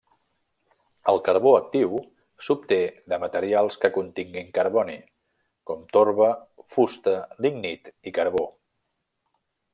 El carbó actiu s'obté de materials que continguin carboni com, torba, fusta, lignit i carbó.